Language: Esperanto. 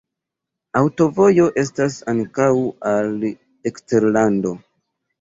Aŭtovojo estas ankaŭ al eksterlando.